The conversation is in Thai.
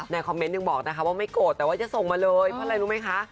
คอมเมนต์ยังบอกนะคะว่าไม่โกรธแต่ว่าอย่าส่งมาเลยเพราะอะไรรู้ไหมคะ